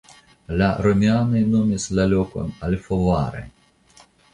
La romianoj nomis la lokon Alfovare.